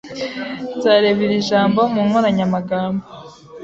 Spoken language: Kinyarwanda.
Nzareba iri jambo mu nkoranyamagambo.